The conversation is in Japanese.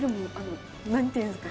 何て言うんですか？